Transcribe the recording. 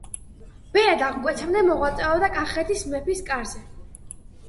ბერად აღკვეცამდე მოღვაწეობდა კახეთის მეფის კარზე.